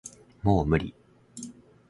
もう無理